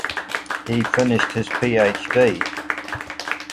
He finished his PhD.